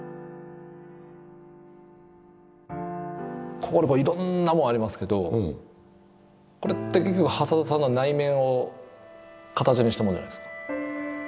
ここにいろんなものありますけどこれって結局挾土さんの内面を形にしたものじゃないですか？